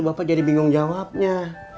bapak jadi bingung jawabnya